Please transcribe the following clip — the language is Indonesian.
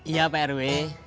iya pak rw